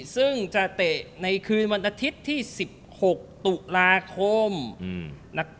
ซึ่งจะเตะในคืนวันอาทิตย์ที่๑๖ตุลาคม